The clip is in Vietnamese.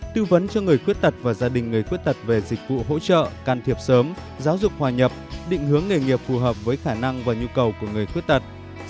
bốn tư vấn cho người khuyết tật và gia đình người khuyết tật về dịch vụ hỗ trợ can thiệp sớm giáo dục hòa nhập định hướng nghề nghiệp phù hợp với khả năng và nhu cầu của người khuyết tật